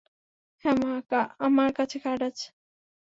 হ্যাঁ, আমার কাছে কার্ড আছে।